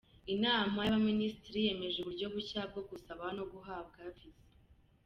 Inama y’Abaminisitiri yemeje uburyo bushya bwo gusaba no guhabwa viza.